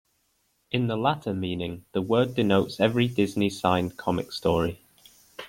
In the latter meaning, the word denotes every Disney signed comic story.